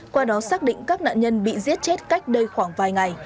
qua đó xác định các nạn nhân bị giết chết cách đây khoảng vài ngày